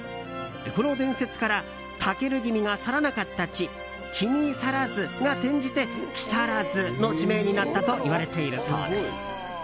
この伝説から、タケル君が去らなかった地君去らずが転じて木更津の地名になったといわれているそうです。